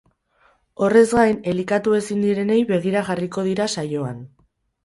Horrez gain, elikatu ezin direnei begira jarriko dira saioan.